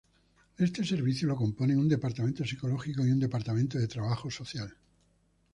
Este Servicio lo componen un Departamento psicológico y un Departamento de trabajo social.